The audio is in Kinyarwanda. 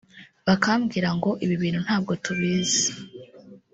bakambwira ngo ibi bintu ntabwo tubizi